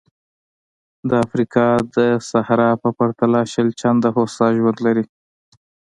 د افریقا د صحرا په پرتله شل چنده هوسا ژوند لري.